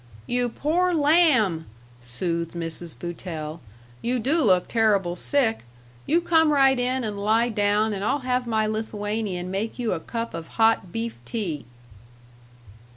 "You poor lamb!" soothed Mrs. Boutell. "You do look terrible sick. You come right in and lie down and I'll have my Lithuanian make you a cup of hot beef tea."